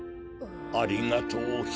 ありがとうひめ。